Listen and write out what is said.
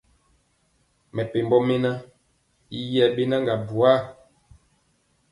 Mɛpembɔ mɛnan yi yɛbɛnaga buar.